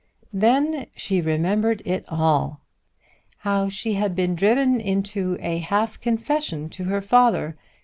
Then she remembered it all; how she had been driven into a half confession to her father.